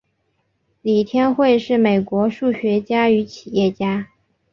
李天惠是美国数学家与企业家。